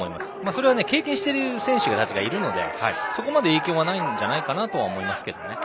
それは経験している選手たちがいるのでそこまで影響はないんじゃないかなとは思いますけどね。